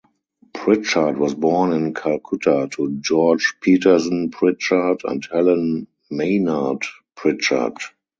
Pritchard was born in Calcutta to George Petersen Pritchard and Helen Maynard Pritchard.